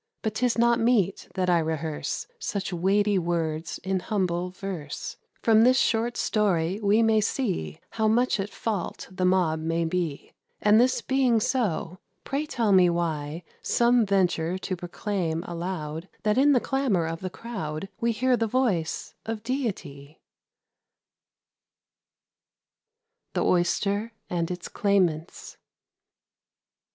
But 'tis not meet that I rehearse Such weighty words in humble verse. From this short story we may see How much at fault the mob may be; And this being so, pray tell me why Some venture to proclaim aloud That in the clamour of the crowd We hear the voice of Deity? [Illustration: THE OYSTER AND ITS CLAIMANTS.] FABLE CLXXII. THE OYSTER AND ITS CLAIMANTS.